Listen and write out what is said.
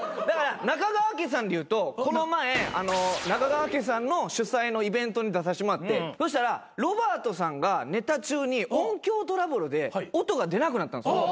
だから中川家さんでいうとこの前中川家さんの主催のイベントに出さしてもらってそしたらロバートさんがネタ中に音響トラブルで音が出なくなったんです。